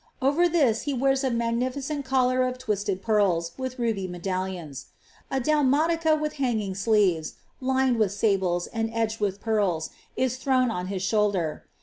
Over this he wears a magnificent collar of twisted pearls, rith ruby medallions; a dulmatica with hanging sleeves, lined with ables, and edged with pearls, is thrown on his sliouldcr.